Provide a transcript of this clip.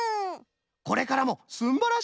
これからもすんばらしい